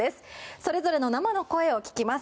それぞれの生の声を聞きます。